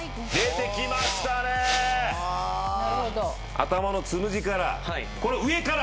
頭のつむじから。